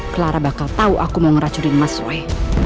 clara bakal tau aku mau ngeracuni mas roy